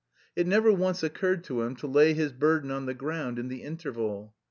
It never once occurred to him to lay his burden on the ground in the interval.